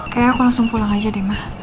kayaknya aku langsung pulang aja deh mah